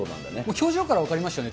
表情から分かりましたよね。